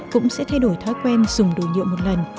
cũng sẽ thay đổi thói quen dùng đồ nhựa một lần